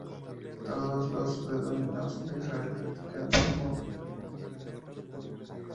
Todos los beduinos de Israel practican el islamismo suní.